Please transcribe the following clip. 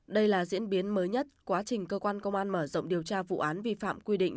đây là diễn biến mới nhất quá trình cơ quan công an mở rộng điều tra vụ án vi phạm quy định